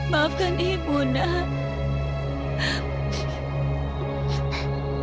maafkan ibu nak